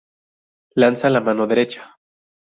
Lanza la mano derecha.